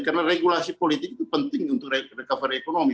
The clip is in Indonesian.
karena regulasi politik itu penting untuk recovery ekonomi